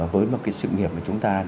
với một sự nghiệp mà chúng ta đã